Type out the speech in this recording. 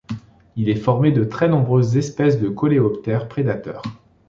Il est formé de très nombreuses espèces de coléoptères prédateurs.